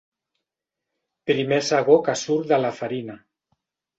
Primer segó que surt de la farina.